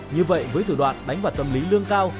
như vậy với thủ đoạn đánh vào tâm lý lương cao